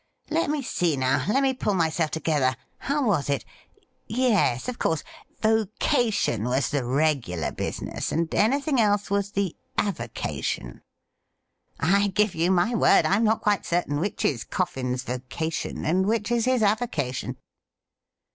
Let me see, now — let me pull myself together. How was it .'' Yes, of course — vocation was the regular business, and anything else was the avocation. I give you my word, I am not quite certain which is Coffin's vocation and which is his avocation.'